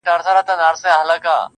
ددې ښـــــار څــــو ليونـيـو.